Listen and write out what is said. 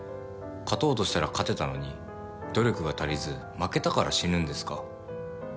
勝とうとしたら勝てたのに努力が足りず負けたから死ぬんですか？